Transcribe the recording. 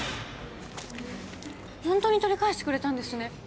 ホントに取り返してくれたんですね